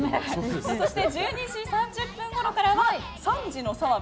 そして１２時３０分ごろからは３児の澤部！